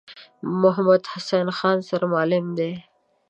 محمدحسین خان سرمعلم دی.